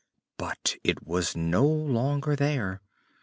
But it was no longer there.